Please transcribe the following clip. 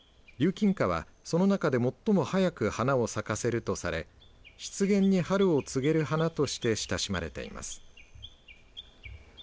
キンカはその中でも最も早く花を咲かせるとされ湿原に春を告げる花として親しまれています。